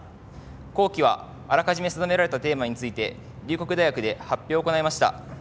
後期は、あらかじめ定められたテーマについて龍谷大学で発表を行いました。